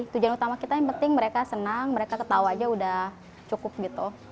tujuan utama kita yang penting mereka senang mereka ketawa aja udah cukup gitu